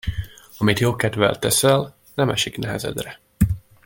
Amit jókedvvel teszel, nem esik nehezedre.